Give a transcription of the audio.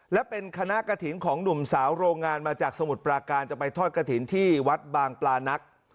และเป็นคณะกระถิ่นของหนุ่มสาวโรงงานมาจากสมุทรปราการจะไปทอดกระถิ่นที่วัดบางปลานัก